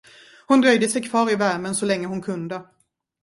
Hon dröjde sig kvar i värmen så länge hon kunde.